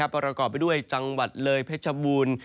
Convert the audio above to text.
ประกอบไปด้วยจังหวัดเลยเพชรบูรณ์